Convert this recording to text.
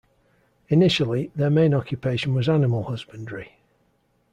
Initially, their main occupation was animal husbandry.